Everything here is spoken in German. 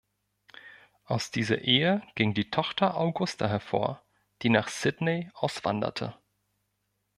Aus dieser Ehe ging die Tochter Augusta hervor, die nach Sidney auswanderte.